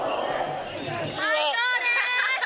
最高です。